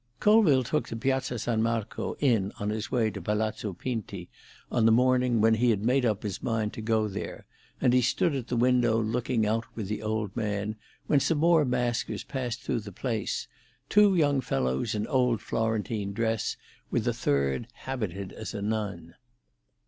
Colville took the Piazza San Marco in on his way to Palazzo Pinti on the morning when he had made up his mind to go there, and he stood at the window looking out with the old man, when some more maskers passed through the place—two young fellows in old Florentine dress, with a third habited as a nun.